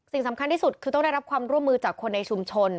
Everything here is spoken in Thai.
สิ่งสำคัญที่สุดคือต้องได้รับความร่วมมือจากคนในชุมชน